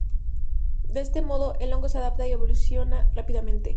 De este modo, el hongo se adapta y evoluciona rápidamente.